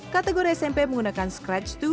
kategori smp menggunakan scratch dua